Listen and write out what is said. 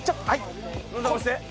押して。